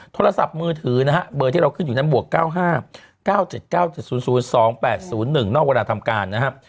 โทรศัพท์มือถือนะฮะเบอร์ที่เราขึ้นอยู่นั้นบวก๙๕๙๗๙๗๐๐๒๘๐๑นอกเวลาทำการนะครับ